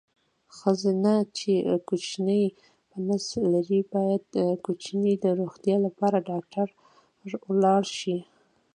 ښځېنه چې کوچینی په نس لري باید کوچیني د روغتیا لپاره ډاکټر ولاړ شي.